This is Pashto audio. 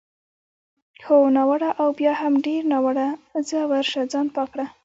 هو، ناوړه او بیا هم ډېر ناوړه، ځه ورشه ځان پاک کړه.